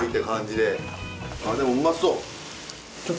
でもうまそう。